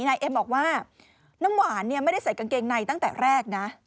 นายเอ็มบอกว่าน้ำหวานไม่ได้ใส่กางเกงในตั้งแต่แรกนะ